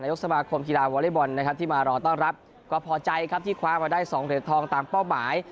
ยกสมาคมกีฬาวอเล็กบอลนะครับที่มารอต้อนรับก็พอใจครับที่คว้ามาได้๒เหรียญทองตามเป้าหมาย